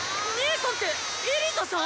姐さんってエリザさん？